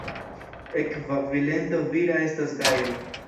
Ekvivalento vira estas Gajo.